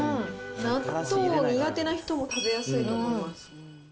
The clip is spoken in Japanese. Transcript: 納豆苦手な人も食べやすいと思います。